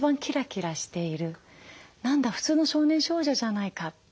何だ普通の少年少女じゃないかって。